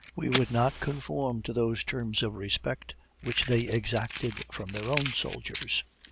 We would not conform to those terms of respect which they exacted from their own soldiers.